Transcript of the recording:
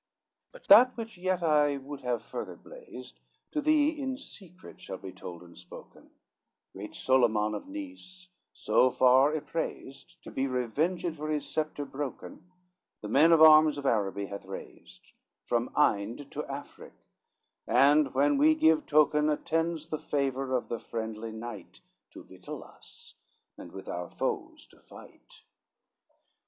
X "But that which yet I would have further blazed, To thee in secret shall be told and spoken, Great Soliman of Nice, so far ypraised, To be revenged for his sceptre broken, The men of arms of Araby hath raised, From Inde to Africk, and, when we give token, Attends the favor of the friendly night To victual us, and with our foes to fight.